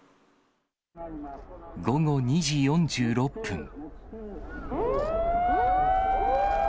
午後２時４６分。